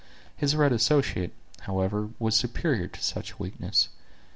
His red associate, however, was superior to such a weakness.